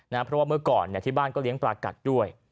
เพราะว่าเมื่อก่อนที่บ้านก็เลี้ยงปลากัดด้วย